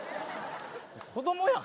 子供やん。